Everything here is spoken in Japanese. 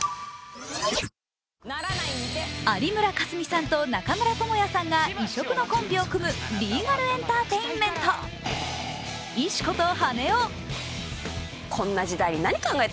有村架純さんと中村倫也さんが異色のコンビを組むリーガル・エンターテインメント「石子と羽男」。